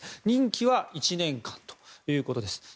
任期は１年間ということです。